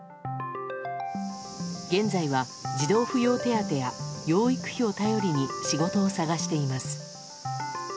現在は、児童扶養手当や養育費を頼りに仕事を探しています。